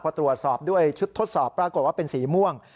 พอตรวจสอบด้วยชุดทดสอบปรากฏว่าเป็นสีม่วง